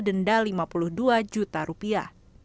denda lima puluh dua juta rupiah